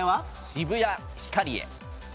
渋谷ヒカリエ。